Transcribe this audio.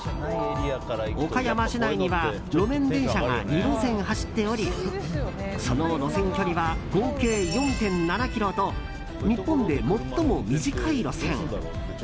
岡山市内には路面電車が２路線走っておりその路線距離は合計４．７ｋｍと日本で最も短い路線。